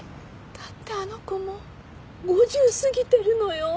だってあの子もう５０過ぎてるのよ。